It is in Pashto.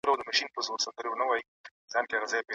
هګۍ د نوکان قوي کوي.